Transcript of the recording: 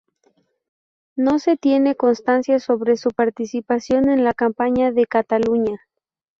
No se tiene constancia sobre su participación en la campaña de Cataluña.